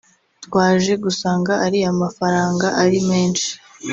“Twaje gusanga ariya mafaranga ari menshi